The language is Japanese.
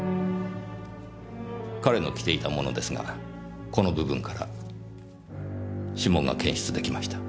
彼の着ていたものですがこの部分から指紋が検出できました。